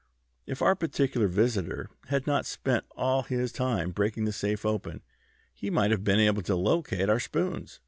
If our particular visitor had not spent all his time breaking the safe open he might have been able to locate our spoons."